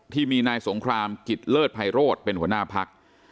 ที่มีนายสงครามกิจเลิศภัยโรธเป็นหัวหน้าพัก